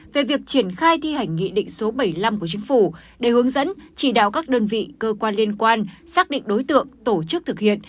về việc triển khai thi hành nghị định số bảy mươi năm của chính phủ để hướng dẫn chỉ đạo các đơn vị cơ quan liên quan xác định đối tượng tổ chức thực hiện